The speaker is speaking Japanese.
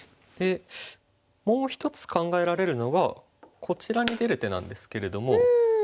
もう１つ考えられるのがこちらに出る手なんですけれども。